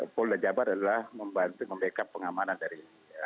polda jawa barat adalah membantu mendekat pengamanan dari